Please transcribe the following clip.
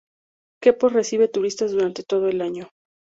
Quepos recibe turistas durante todo el año.